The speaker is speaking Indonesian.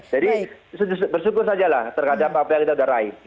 jadi bersyukur sajalah terhadap apel yang kita udah raih